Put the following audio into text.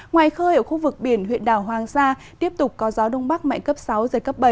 ngoài khơi ở khu vực biển huyện đảo hoàng sa tiếp tục có gió đông bắc mạnh cấp sáu giới cấp bảy